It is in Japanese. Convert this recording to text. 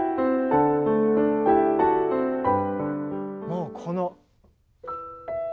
もうこの。